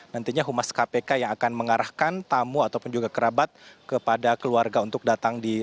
nantinya humas kpk yang akan mengarahkan tamu ataupun juga kerabat kepada keluarga untuk datang